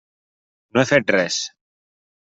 No he fet res.